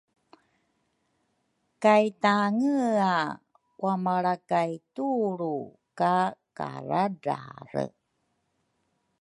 kay tangea wamalra kay tulru ka karadrare.